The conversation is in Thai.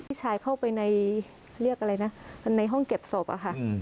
พี่ชายเข้าไปในเรียกอะไรนะในห้องเก็บศพอะค่ะ